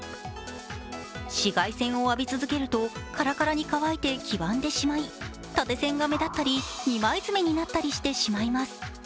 紫外線を浴び続けるとカラカラに乾いて黄ばんでしまい縦線が目立ったり、二枚爪になってしまったりします。